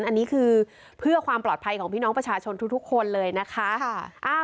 อันนี้คือเพื่อความปลอดภัยของพี่น้องประชาชนทุกคนเลยนะคะ